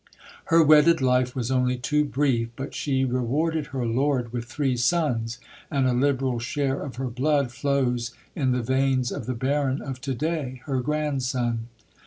Her wedded life was only too brief, but she rewarded her lord with three sons; and a liberal share of her blood flows in the veins of the Baron of to day, her grandson.